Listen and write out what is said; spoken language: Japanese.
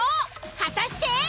果たして。